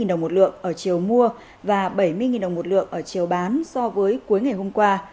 giảm sáu mươi đồng một lượng ở chiều mua và bảy mươi đồng một lượng ở chiều bán so với cuối ngày hôm qua